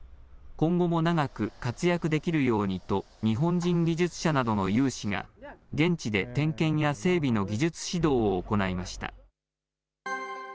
今後も長く活躍できるようにと、日本人技術者などの有志が現地で点検や整備の技術指導を行いました。